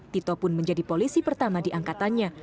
tito pun menjadi polisi pertama diangkatannya